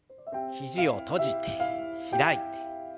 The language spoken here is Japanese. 肘を閉じて開いて。